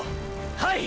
はい！！